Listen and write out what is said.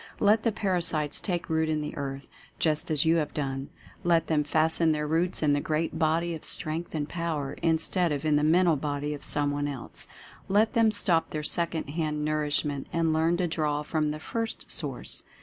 Let the Parasites take root in the earth, just as you have done; let them fasten their roots in the great body of Strength and Power instead of in the Establishing a Mentative Centre 187 mental body of someone else; let them stop their second hand nourishment and learn to draw from the First Source.